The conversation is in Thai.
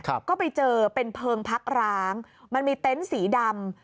ครับก็ไปเจอเป็นเพลิงพักร้างมันมีเต็นต์สีดำ